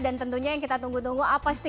dan tentunya yang kita tunggu tunggu